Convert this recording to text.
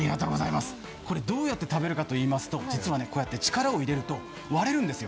これどうやって食べるかといいます、力を入れますと割れるんですよ。